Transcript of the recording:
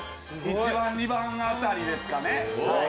１番、２番辺りですかね。